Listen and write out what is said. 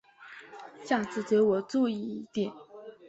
下次给我注意一点！